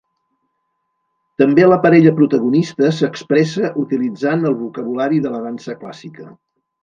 També la parella protagonista s'expressa utilitzant el vocabulari de la dansa clàssica.